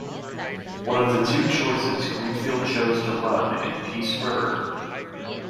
Of the two choices Greenfield chose to run in Peace River.